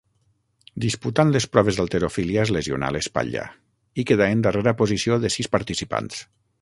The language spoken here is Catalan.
Disputant les proves d'halterofília es lesionà l'espatlla i quedà en darrera posició de sis participants.